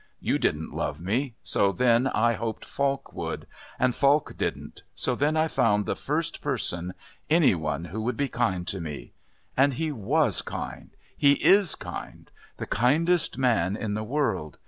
You didn't love me, so then I hoped Falk would, and Falk didn't, so then I found the first person any one who would be kind to me. And he was kind he is kind the kindest man in the world.